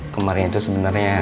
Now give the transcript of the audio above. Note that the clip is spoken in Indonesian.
kemarin itu sebenernya